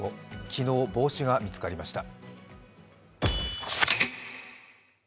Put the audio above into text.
昨日、帽子が見つかりました。